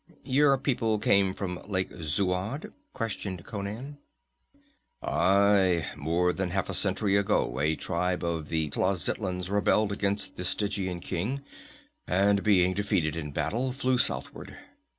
"Your people came from Lake Zuad?" questioned Conan. "Aye. More than half a century ago a tribe of the Tlazitlans rebelled against the Stygian king, and, being defeated in battle, fled southward.